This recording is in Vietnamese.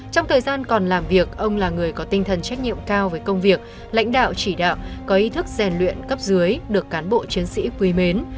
trong thời gian còn làm việc ông là người có tinh thần trách nhiệm cao với công việc lãnh đạo chỉ đạo có ý thức rèn luyện cấp dưới được cán bộ chiến sĩ quý mến